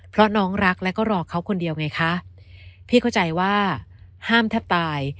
เพราะน้องรักแล้วก็รอเขาคนเดียวไงคะพี่เข้าใจว่าห้ามแทบตาย